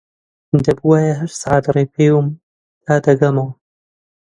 دەبوایە هەشت سەعات ڕێ بپێوم تا دەگەمەوە